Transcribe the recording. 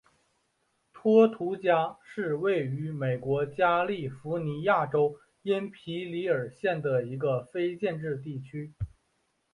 托图加是位于美国加利福尼亚州因皮里尔县的一个非建制地区。